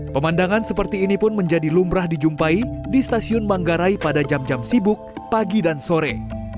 pemandangan seperti ini pun menjadi lumrah dijumpai di stasiun manggarai pada jam jam sibuk pagi dan sore